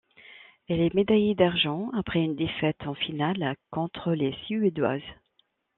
Elle est médaillée d'argent après une défaite en finale contre les Suédoises.